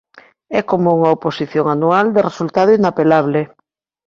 É como unha oposición anual de resultado inapelable.